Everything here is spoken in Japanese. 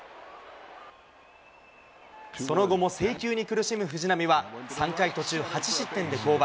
その後も制球に苦しむ藤浪は、３回途中８失点で降板。